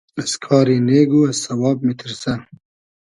از کاری نېگ و از سئواب میتیرسۂ